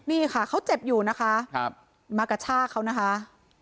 นี่ค่ะเขาเจ็บอยู่นะคะมากระชากเขานะคะ